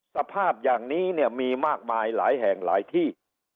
สภาพอย่างนี้เนี่ยมีมากมายหลายแห่งหลายที่